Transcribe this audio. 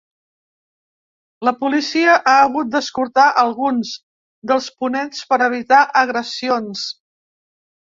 La policia ha hagut d’escortar alguns dels ponents per evitar agressions.